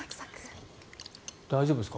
大丈夫ですか？